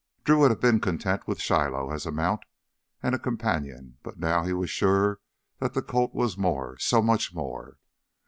Drew would have been content with Shiloh as a mount and a companion, but now he was sure that the colt was more, so much more.